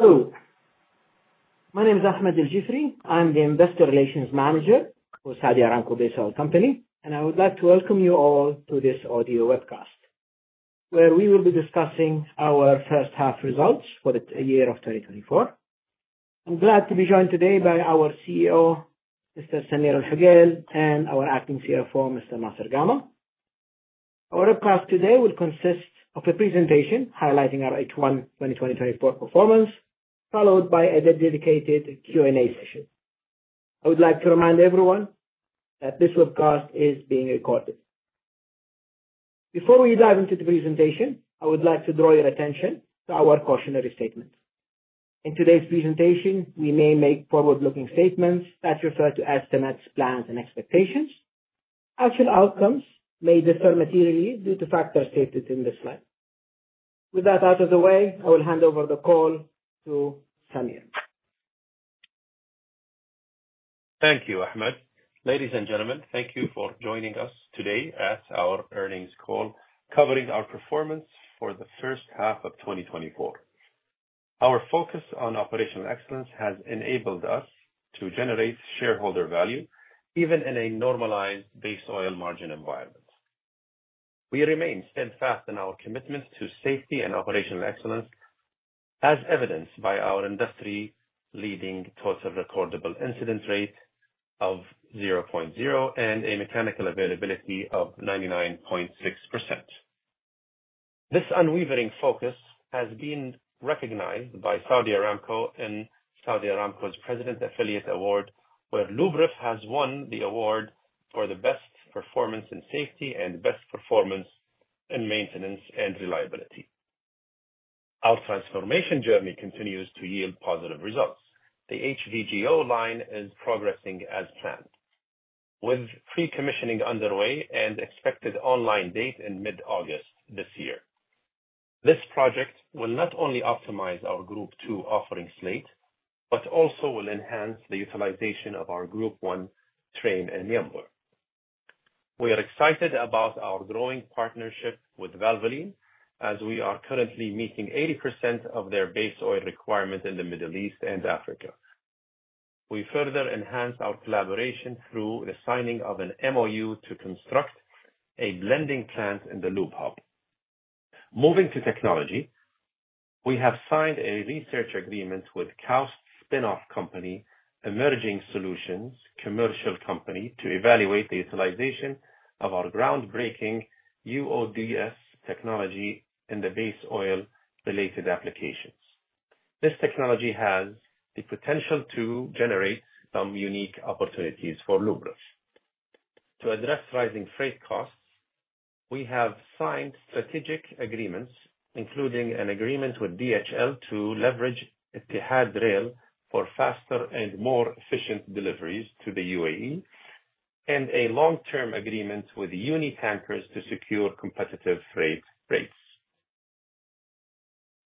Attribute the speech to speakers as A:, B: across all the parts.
A: Hello, my name is Ahmed Aljiffry. I'm the Investor Relations Manager for Saudi Aramco Base Oil Company, and I would like to welcome you all to this audio webcast, where we will be discussing our first half results for the year of 2024. I'm glad to be joined today by our CEO, Mr. Samer Al Hokail, and our acting CFO, Mr. Nasser Gama. Our webcast today will consist of a presentation highlighting our H1 2024 performance, followed by a dedicated Q&A session. I would like to remind everyone that this webcast is being recorded. Before we dive into the presentation, I would like to draw your attention to our cautionary statement. In today's presentation, we may make forward-looking statements that refer to estimates, plans, and expectations. Actual outcomes may differ materially due to factors stated in this slide. With that out of the way, I will hand over the call to Samer.
B: Thank you, Ahmed. Ladies and gentlemen, thank you for joining us today at our earnings call, covering our performance for the first half of 2024. Our focus on operational excellence has enabled us to generate shareholder value, even in a normalized base oil margin environment. We remain steadfast in our commitment to safety and operational excellence, as evidenced by our industry-leading Total Recordable Incident Rate of 0.0 and a mechanical availability of 99.6%. This unwavering focus has been recognized by Saudi Aramco in Saudi Aramco's President's Affiliate Award, where Luberef has won the award for the best performance in safety and best performance in maintenance and reliability. Our transformation journey continues to yield positive results. The HVGO line is progressing as planned, with pre-commissioning underway and expected online date in mid-August this year. This project will not only optimize our Group II offering slate, but also will enhance the utilization of our Group I train in Yanbu. We are excited about our growing partnership with Valvoline, as we are currently meeting 80% of their base oil requirements in the Middle East and Africa. We further enhance our collaboration through the signing of an MOU to construct a blending plant in the LubeHub. Moving to technology, we have signed a research agreement with KAUST's spin-off company, Emerging Solutions Commercial Company, to evaluate the utilization of our groundbreaking uODS technology in the base oil-related applications. This technology has the potential to generate some unique opportunities for Luberef. To address rising freight costs, we have signed strategic agreements, including an agreement with DHL, to leverage Etihad Rail for faster and more efficient deliveries to the UAE, and a long-term agreement with Uni Tankers to secure competitive freight rates.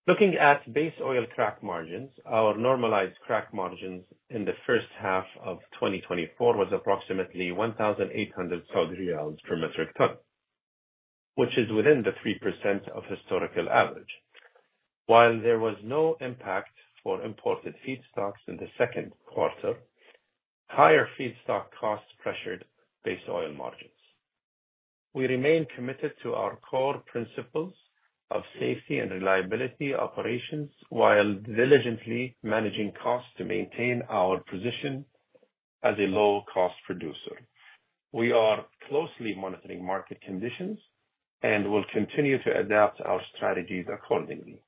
B: Looking at base oil crack margins, our normalized crack margins in the first half of 2024 was approximately 1,800 Saudi riyals per metric ton, which is within the 3% of historical average. While there was no impact for imported feedstocks in the second quarter, higher feedstock costs pressured base oil margins. We remain committed to our core principles of safety and reliability operations, while diligently managing costs to maintain our position as a low-cost producer. We are closely monitoring market conditions and will continue to adapt our strategies accordingly.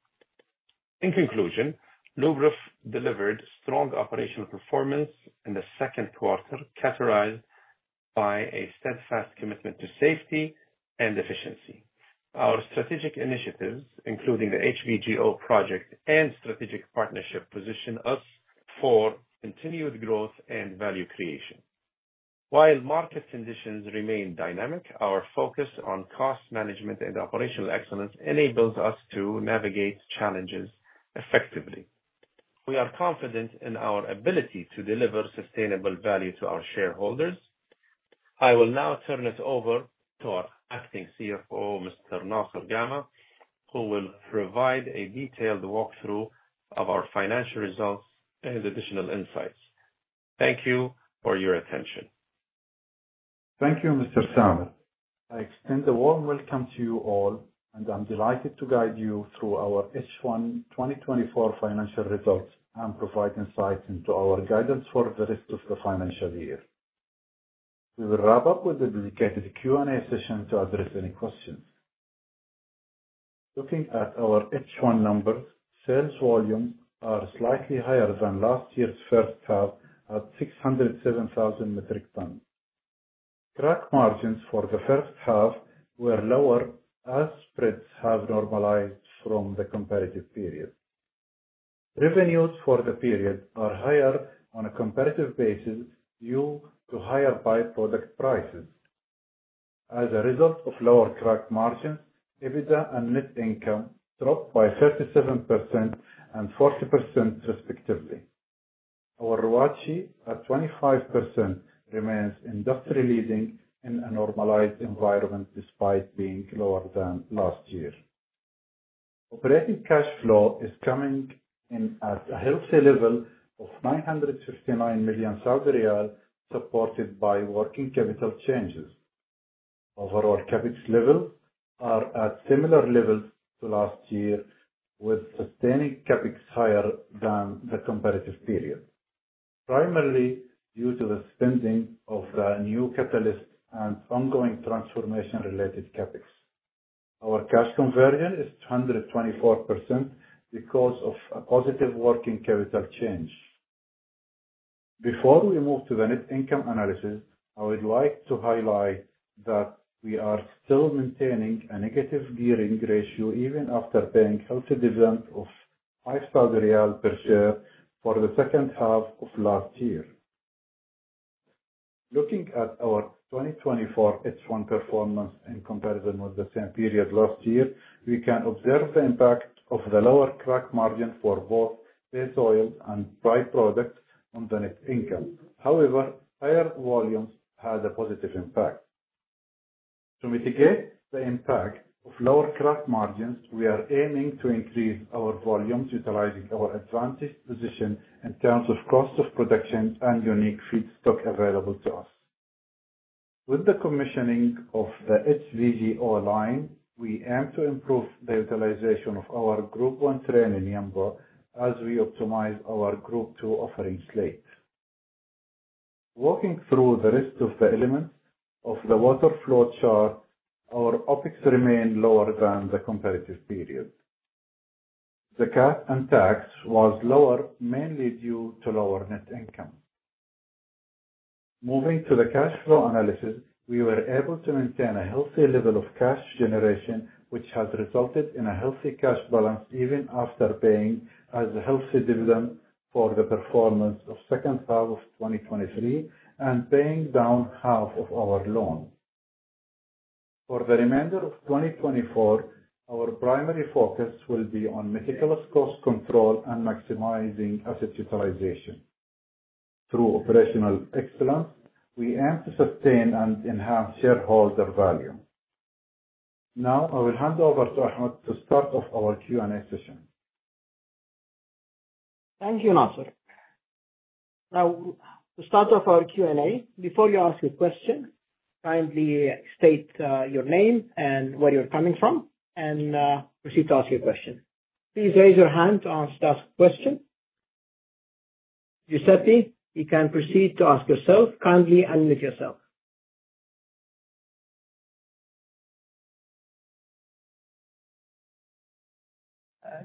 B: In conclusion, Luberef delivered strong operational performance in the second quarter, characterized by a steadfast commitment to safety and efficiency. Our strategic initiatives, including the HVGO project and strategic partnership, position us for continued growth and value creation. While market conditions remain dynamic, our focus on cost management and operational excellence enables us to navigate challenges effectively. We are confident in our ability to deliver sustainable value to our shareholders. I will now turn it over to our Acting CFO, Mr. Nasser Gama, who will provide a detailed walkthrough of our financial results and additional insights. Thank you for your attention.
C: Thank you, Mr. Samer. I extend a warm welcome to you all, and I'm delighted to guide you through our H1 2024 financial results and provide insights into our guidance for the rest of the financial year. We will wrap up with a dedicated Q&A session to address any questions. Looking at our H1 numbers, sales volume are slightly higher than last year's first half, at 607,000 metric tons. Crack margins for the first half were lower, as spreads have normalized from the comparative period. Revenues for the period are higher on a comparative basis, due to higher by-product prices. As a result of lower crack margins, EBITDA and net income dropped by 37% and 40%, respectively.... Our ROACE at 25% remains industry leading in a normalized environment, despite being lower than last year. Operating cash flow is coming in at a healthy level of 959 million Saudi riyal, supported by working capital changes. Overall, CapEx levels are at similar levels to last year, with sustaining CapEx higher than the comparative period, primarily due to the spending of the new catalyst and ongoing transformation-related CapEx. Our cash conversion is 224% because of a positive working capital change. Before we move to the net income analysis, I would like to highlight that we are still maintaining a negative gearing ratio even after paying healthy dividend of SAR 5 per share for the second half of last year. Looking at our 2024 H1 performance in comparison with the same period last year, we can observe the impact of the lower crack margin for both base oil and by-products on the net income. However, higher volumes had a positive impact. To mitigate the impact of lower crack margins, we are aiming to increase our volumes, utilizing our advantage position in terms of cost of production and unique feedstock available to us. With the commissioning of the HVGO line, we aim to improve the utilization of our Group I train in Yanbu, as we optimize our Group II offering slate. Walking through the rest of the elements of the waterfall chart, our OpEx remained lower than the comparative period. The CapEx was lower, mainly due to lower net income. Moving to the cash flow analysis, we were able to maintain a healthy level of cash generation, which has resulted in a healthy cash balance, even after paying a healthy dividend for the performance of second half of 2023 and paying down half of our loan. For the remainder of 2024, our primary focus will be on meticulous cost control and maximizing asset utilization. Through operational excellence, we aim to sustain and enhance shareholder value. Now, I will hand over to Ahmed to start off our Q&A session.
A: Thank you, Nasser. Now, to start off our Q&A, before you ask a question, kindly state your name and where you're coming from, and proceed to ask your question. Please raise your hand and start to ask question. Giuseppe, you can proceed to ask yourself. Kindly unmute yourself.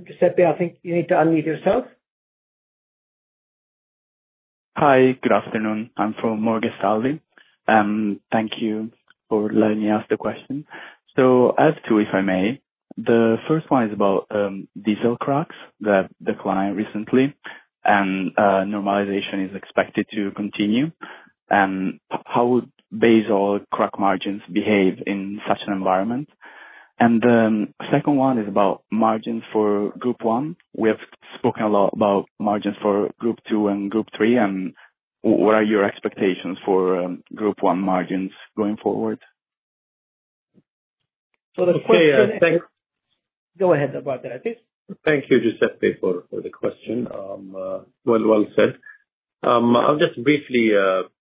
A: Giuseppe, I think you need to unmute yourself.
D: Hi, good afternoon. I'm from Morgan Stanley, and thank you for letting me ask the question. So I have two, if I may. The first one is about diesel cracks that declined recently, and normalization is expected to continue. How would base oil crack margins behave in such an environment? And then second one is about margins for Group I. We have spoken a lot about margins for Group II and Group III, and what are your expectations for Group I margins going forward?
A: So the question-
C: Okay, I think-
A: Go ahead, Abdulaziz.
B: Thank you, Giuseppe, for the question. Well said. I'll just briefly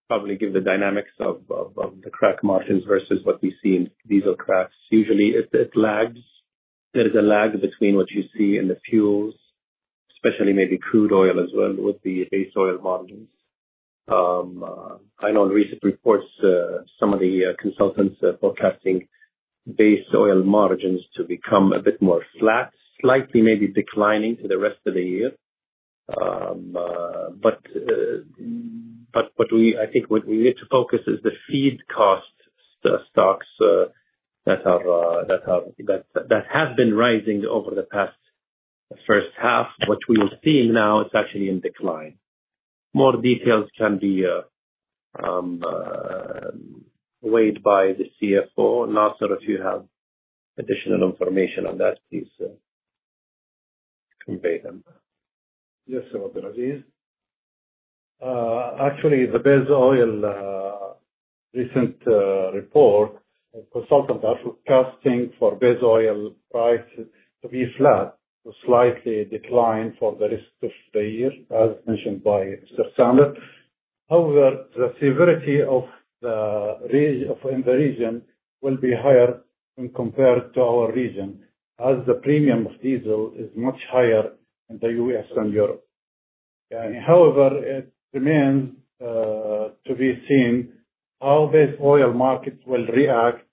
B: probably give the dynamics of the crack margins versus what we see in diesel cracks. Usually, it lags. There is a lag between what you see in the fuels, especially maybe crude oil as well, with the base oil margins. I know in recent reports, some of the consultants are forecasting base oil margins to become a bit more flat, slightly maybe declining for the rest of the year. But we... I think what we need to focus is the feed costs, stocks that have been rising over the past first half, which we will see now it's actually in decline. More details can be weighed by the CFO. Nasser, if you have additional information on that, please, convey them.
C: Yes, Abdulaziz. Actually, the base oil recent report, consultants are forecasting for base oil price to be flat, to slightly decline for the rest of the year, as mentioned by Samer. However, the severity of the recession in the region will be higher when compared to our region, as the premium of diesel is much higher in the U.S. and Europe. However, it remains to be seen how this oil markets will react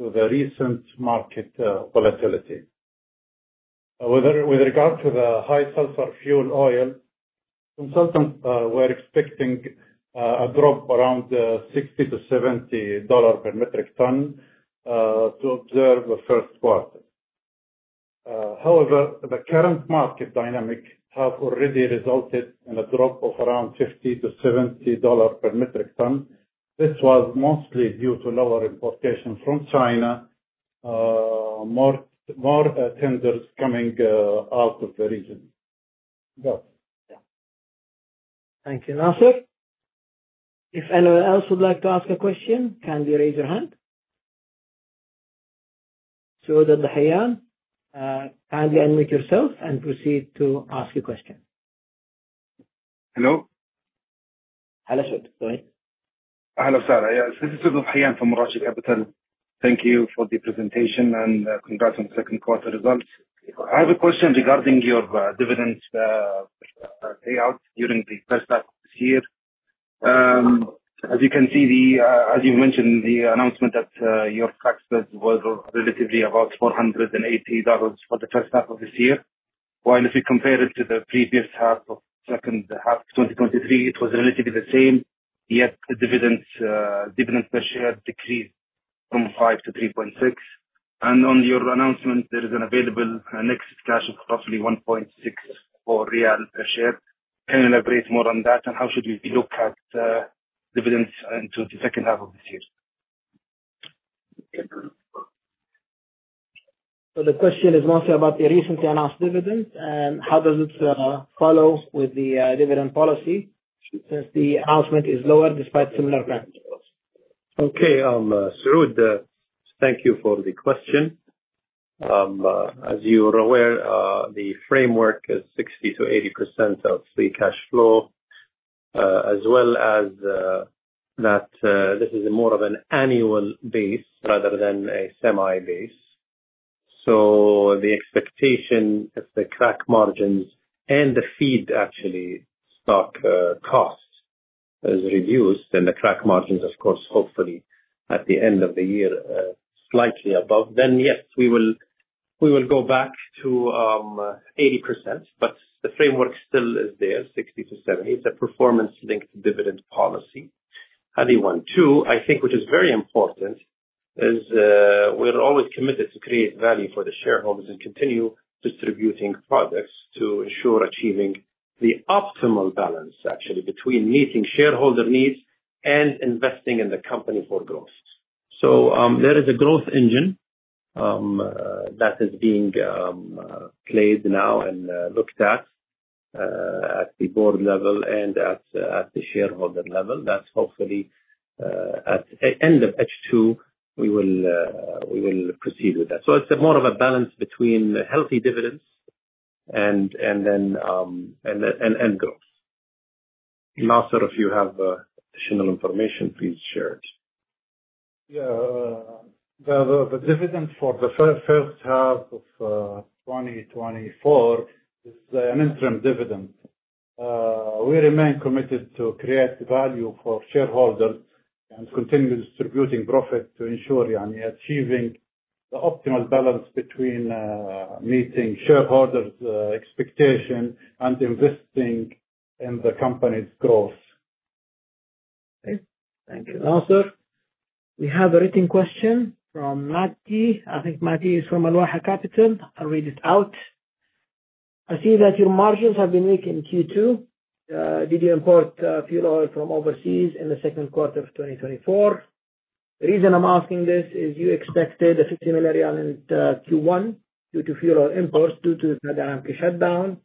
C: to the recent market volatility. With regard to the high sulfur fuel oil, consultants were expecting a drop around $60-$70 per metric ton as observed in the first quarter. However, the current market dynamic has already resulted in a drop of around $50-$70 per metric ton. This was mostly due to lower importation from China. more tenders coming out of the region. Yeah.
A: Thank you, Nasser. If anyone else would like to ask a question, kindly raise your hand. So that the Hayyan, kindly unmute yourself and proceed to ask your question.
E: Hello?
A: Hello, sir. Go ahead.
E: Hello, sir. Yes, this is Hayyan from Merak Capital. Thank you for the presentation and congrats on second quarter results. I have a question regarding your dividends payout during the first half of this year. As you can see, as you mentioned, the announcement that your net debt was relatively about $480 for the first half of this year. While if you compare it to the previous half, second half of 2023, it was relatively the same, yet the dividends per share decreased from 5 to 3.6. And on your announcement, there is an available net cash of roughly 1.64 SAR per share. Can you elaborate more on that, and how should we look at dividends into the second half of this year?
A: The question is mostly about the recently announced dividend and how does it follow with the dividend policy, since the announcement is lower despite similar financial results.
B: Okay, Sure, thank you for the question. As you are aware, the framework is 60%-80% of free cash flow, as well as, that, this is more of an annual base rather than a semi base. So the expectation is the crack margins and the feedstock costs is reduced, then the crack margins, of course, hopefully at the end of the year, slightly above. Then yes, we will, we will go back to, 80%, but the framework still is there, 60%-70%. It's a performance-linked dividend policy. And one, two, I think, which is very important, is, we're always committed to create value for the shareholders and continue distributing products to ensure achieving the optimal balance actually, between meeting shareholder needs and investing in the company for growth. So, there is a growth engine that is being played now and looked at at the board level and at the shareholder level. That's hopefully at end of H2, we will proceed with that. So it's more of a balance between healthy dividends and then growth. Nasser, if you have additional information, please share it.
C: Yeah. The dividend for the first half of 2024 is an interim dividend. We remain committed to create value for shareholders and continue distributing profit to ensure, you know, achieving the optimal balance between meeting shareholders' expectation and investing in the company's growth.
A: Okay. Thank you, Nasser. We have a written question from Murthy. I think Murthy is from Al Waha Capital. I'll read it out. "I see that your margins have been weak in Q2. Did you import fuel oil from overseas in the second quarter of 2024? The reason I'm asking this is you expected 50 million in Q1 due to fuel oil imports, due to the Rampish shutdown.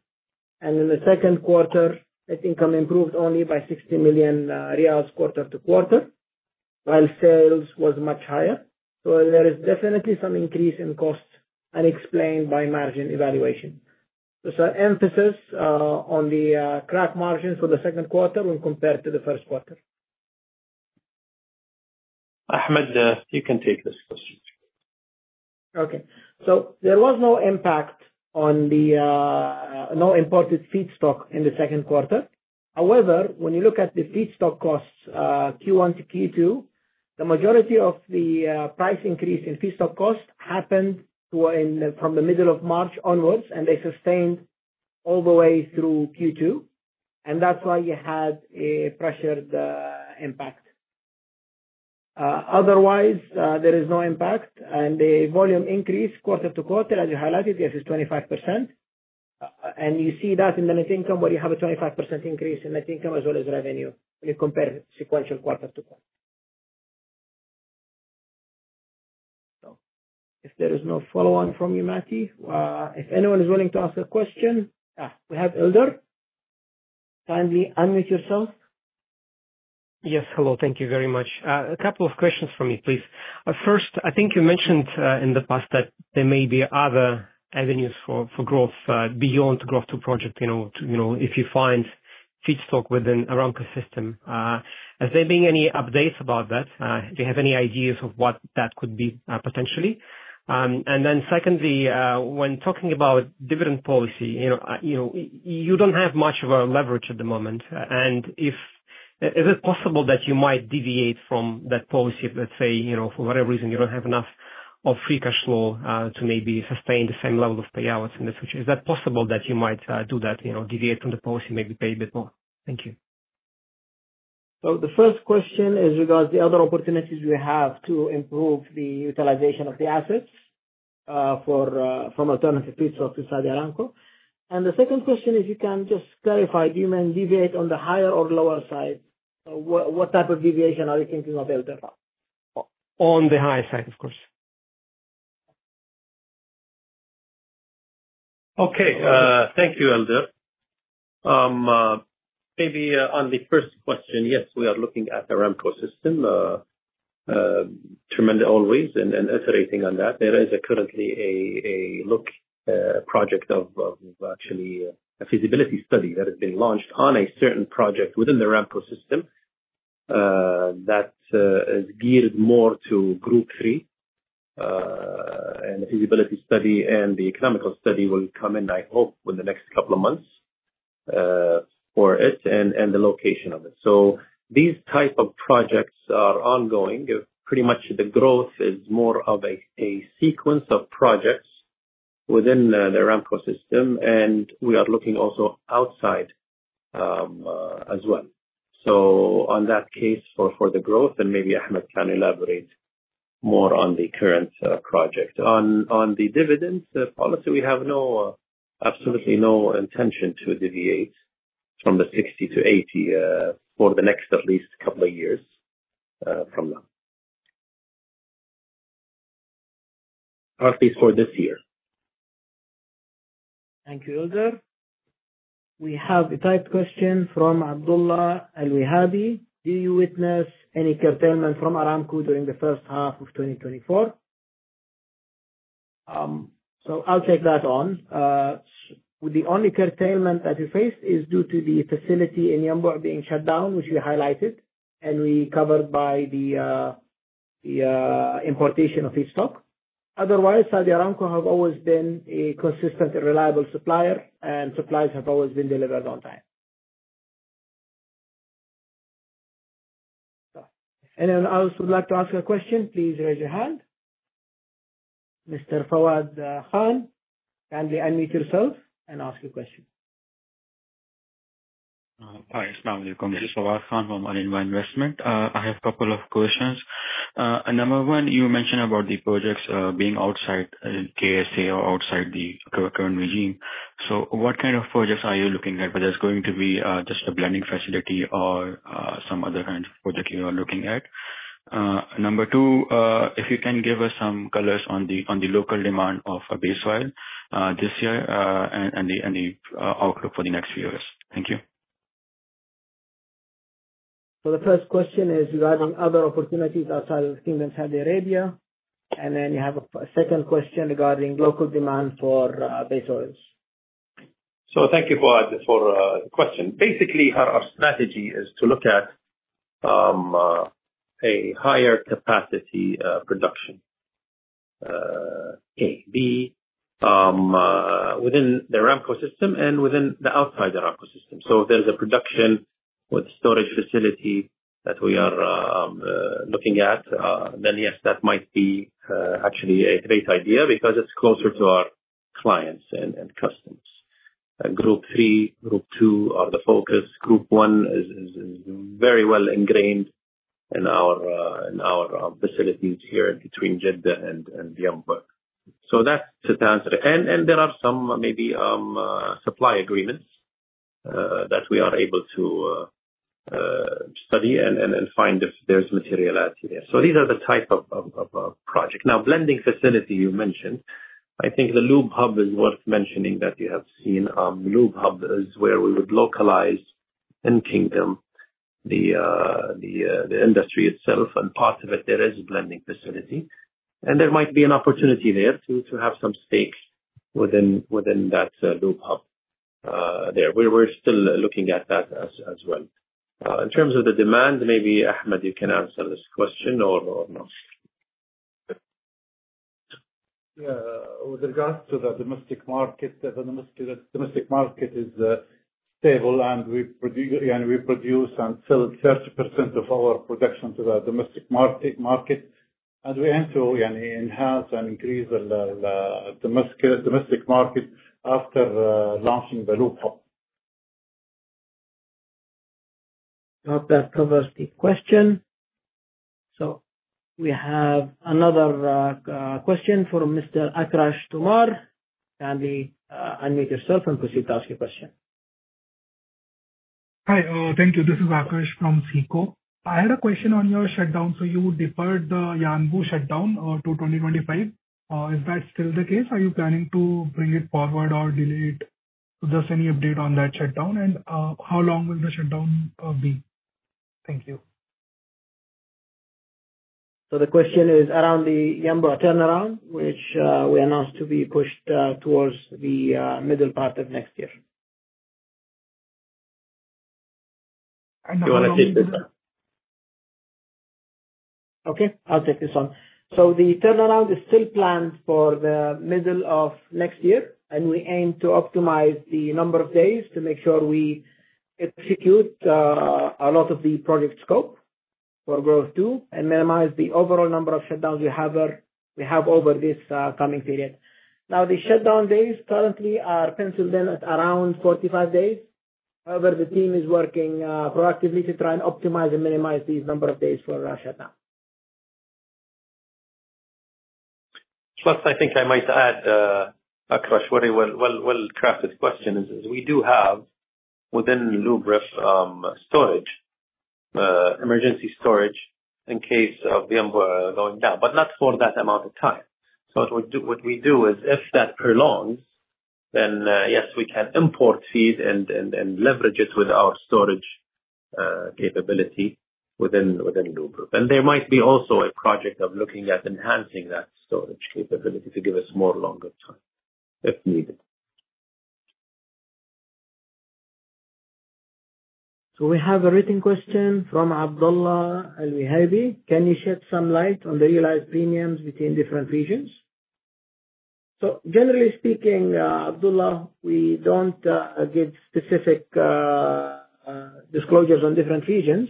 A: And in the second quarter, net income improved only by 60 million riyals quarter to quarter, while sales was much higher. So there is definitely some increase in cost unexplained by margin evaluation. So emphasis on the crack margins for the second quarter when compared to the first quarter.
B: Ahmed, you can take this question.
A: Okay. So there was no impact on the, no imported feedstock in the second quarter. However, when you look at the feedstock costs, Q1 to Q2, the majority of the, price increase in feedstock costs happened to in, from the middle of March onwards, and they sustained all the way through Q2, and that's why you had a pressured, impact. Otherwise, there is no impact, and the volume increase quarter-to-quarter, as you highlighted, this is 25%. And you see that in net income, where you have a 25% increase in net income as well as revenue, you compare sequential quarter-to-quarter. So if there is no follow-on from you, Murthy, if anyone is willing to ask a question... We have Elder. Kindly unmute yourself.
F: Yes, hello. Thank you very much. A couple of questions from me, please. First, I think you mentioned in the past that there may be other avenues for growth beyond Group II project, you know, if you find feedstock within Aramco system. Has there been any updates about that? Do you have any ideas of what that could be potentially? And then secondly, when talking about dividend policy, you know, you don't have much of a leverage at the moment. Is it possible that you might deviate from that policy if, let's say, you know, for whatever reason, you don't have enough free cash flow to maybe sustain the same level of payouts in the future? Is that possible that you might, do that, you know, deviate from the policy, maybe pay a bit more? Thank you.
A: So the first question is regarding the other opportunities we have to improve the utilization of the assets from alternative feedstock to Saudi Aramco. And the second question is, you can just clarify, do you mean deviate on the higher or lower side? What type of deviation are you thinking of, Elder? On the high side, of course.
B: Okay. Thank you, Elder. Maybe, on the first question, yes, we are looking at Aramco system, tremendous always, and iterating on that. There is currently a look project of actually a feasibility study that has been launched on a certain project within the Aramco system, that is geared more to Group III. And the feasibility study and the economic study will come in, I hope, within the next couple of months, for it and the location of it. So these type of projects are ongoing. Pretty much the growth is more of a sequence of projects within the Aramco system, and we are looking also outside, as well. So on that case, for the growth, and maybe Ahmed can elaborate more on the current project. On the dividends policy, we have no, absolutely no intention to deviate from the 60%-80% for the next at least couple of years from now. At least for this year.
A: Thank you, Elder. We have a typed question from Abdullah Al-Wahhabi: Do you witness any curtailment from Aramco during the first half of 2024? I'll take that on. The only curtailment that we face is due to the facility in Yanbu being shut down, which we highlighted, and we covered by the importation of feedstock. Otherwise, Saudi Aramco has always been a consistent and reliable supplier, and supplies have always been delivered on time. Anyone else would like to ask a question, please raise your hand. Mr. Fawad Khan, kindly unmute yourself and ask your question.
G: Hi, this is Fawad Khan from Alinma Investment. I have a couple of questions. Number one, you mentioned about the projects being outside in KSA or outside the current regime. So what kind of projects are you looking at? Whether it's going to be just a blending facility or some other kind of project you are looking at. Number two, if you can give us some colors on the local demand of a base oil this year and the outlook for the next few years. Thank you.
A: So the first question is regarding other opportunities outside of Kingdom of Saudi Arabia, and then you have a second question regarding local demand for base oils.
B: So thank you, Fawad, for the question. Basically, our strategy is to look at a higher capacity production within the Aramco system and outside the Aramco system. So if there's a production with storage facility that we are looking at, then, yes, that might be actually a great idea because it's closer to our clients and customers. Group III, Group II are the focus. Group I is very well ingrained in our facilities here between Jeddah and Yanbu. So that's the answer. And there are some maybe supply agreements that we are able to study and find if there's materiality there. So these are the type of project. Now, blending facility you mentioned, I think the LubeHub is worth mentioning that you have seen. LubeHub is where we would localize in Kingdom, the industry itself, and part of it there is a blending facility. And there might be an opportunity there to have some stake within that LubeHub there. We're still looking at that as well. In terms of the demand, maybe, Ahmed, you can answer this question or not.
C: Yeah. With regards to the domestic market, the domestic market is stable, and we produce and sell 30% of our production to the domestic market. And we aim to, you know, enhance and increase the domestic market after launching the LubeHub.
A: Hope that covers the question. So we have another question from Mr. Akarsh Tomar. Kindly, unmute yourself and proceed to ask your question.
H: Hi. Thank you. This is Akarsh from SICO. I had a question on your shutdown. So you deferred the Yanbu shutdown to 2025. Is that still the case? Are you planning to bring it forward or delay it? Just any update on that shutdown, and how long will the shutdown be? Thank you.
A: The question is around the Yanbu turnaround, which we announced to be pushed towards the middle part of next year.
B: Do you want to take this one?
A: Okay, I'll take this one. So the turnaround is still planned for the middle of next year, and we aim to optimize the number of days to make sure we execute a lot of the project scope for growth too, and minimize the overall number of shutdowns we have over this coming period. Now, the shutdown days currently are penciled in at around 45 days. However, the team is working proactively to try and optimize and minimize these number of days for Russia now.
B: Plus, I think I might add, Akarsh, what a well-crafted question. We do have within Luberef storage, emergency storage in case of the embargo going down, but not for that amount of time. So what we do is if that prolongs, then, yes, we can import these and leverage it with our storage capability within Luberef. And there might be also a project of looking at enhancing that storage capability to give us more longer time, if needed.
A: So we have a written question from Abdullah Al-Mihiwi: Can you shed some light on the realized premiums between different regions? Generally speaking, Abdullah, we don't give specific disclosures on different regions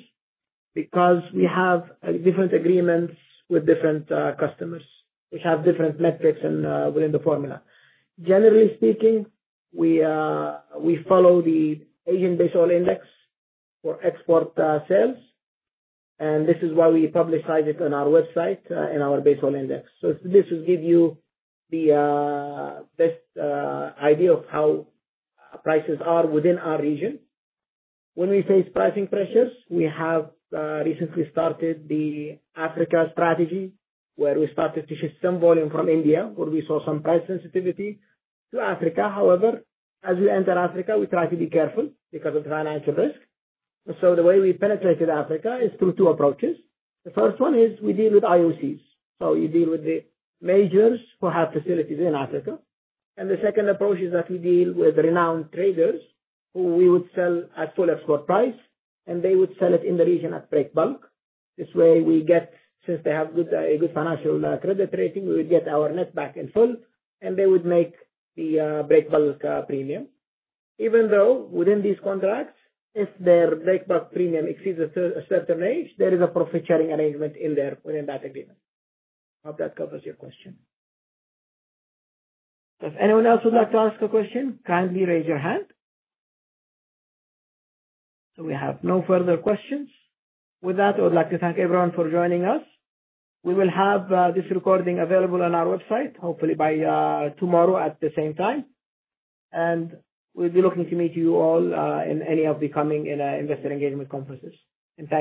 A: because we have different agreements with different customers. We have different metrics and within the formula. Generally speaking, we follow the Asian Base Oil Index for export sales, and this is why we publicize it on our website in our Base Oil Index. So this will give you the best idea of how prices are within our region. When we face pricing pressures, we have recently started the Africa strategy, where we started to shift some volume from India, where we saw some price sensitivity to Africa. However, as we enter Africa, we try to be careful because of financial risk. So the way we penetrated Africa is through two approaches. The first one is we deal with IOCs. So we deal with the majors who have facilities in Africa. And the second approach is that we deal with renowned traders, who we would sell at full export price, and they would sell it in the region at break bulk. This way we get. Since they have a good financial credit rating, we would get our netback in full, and they would make the break bulk premium. Even though within these contracts, if their break bulk premium exceeds a certain range, there is a profit sharing arrangement in there within that agreement. Hope that covers your question. Does anyone else would like to ask a question? Kindly raise your hand. So we have no further questions. With that, I would like to thank everyone for joining us. We will have this recording available on our website, hopefully by tomorrow at the same time. We'll be looking to meet you all in any of the coming in investor engagement conferences. Thank you.